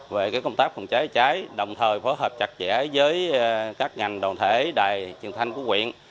về công tác phòng cháy cháy đồng thời phối hợp chặt chẽ với các ngành đoàn thể đài truyền thanh của quyện